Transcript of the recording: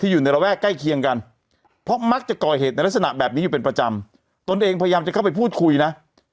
อยู่ในระแวกใกล้เคียงกันเพราะมักจะก่อเหตุในลักษณะแบบนี้อยู่เป็นประจำตนเองพยายามจะเข้าไปพูดคุยนะ